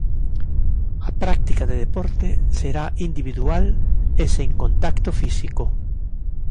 A práctica de deporte será individual e sen contacto físico.